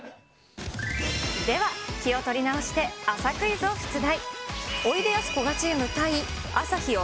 では、気を取り直して、朝クイズを出題。